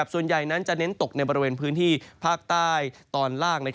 ส่วนใหญ่นั้นจะเน้นตกในบริเวณพื้นที่ภาคใต้ตอนล่าง